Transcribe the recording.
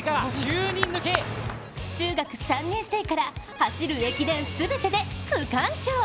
中学３年生から走る駅伝全てで区間賞。